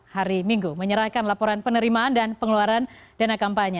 hari minggu menyerahkan laporan penerimaan dan pengeluaran dana kampanye